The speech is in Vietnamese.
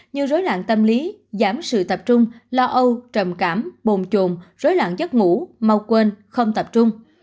như rối loạn tâm lý dám sự tập trung lo âu trầm cảm bồn trồn rối loạn giấc ngủ mau quên không tập trung